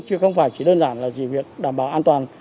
chứ không phải chỉ đơn giản là gì việc đảm bảo an toàn